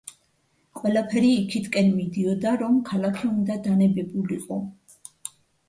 ყველაფერი იქითკენ მიდიოდა, რომ ქალაქი უნდა დანებებულიყო.